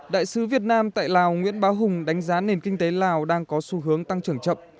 đại sứ việt nam tại lào nguyễn bá hùng đánh giá nền kinh tế lào đang có xu hướng tăng trưởng chậm